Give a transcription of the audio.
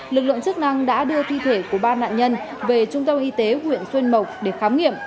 lực lượng chức năng đã đưa thi thể của ba nạn nhân về trung tâm y tế huyện xuyên mộc để khám nghiệm